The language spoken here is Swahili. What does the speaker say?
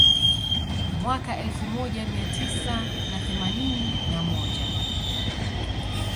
Mwaka elfu moja mia tisa na themanini na moja